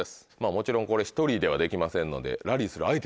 もちろんこれ１人ではできませんので。